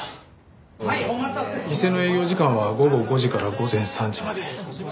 店の営業時間は午後５時から午前３時まで。